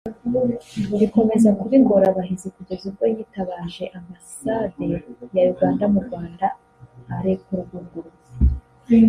bikomeza kuba ingorabahizi kugeza ubwo yitabaje Ambasade ya Uganda mu Rwanda arekurwa ubwo